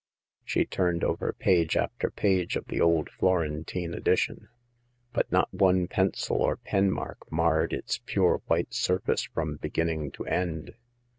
She turned over page after page of the old Florentine edition, but not one pencil or pen mark marred its pure white surface from beginning to end.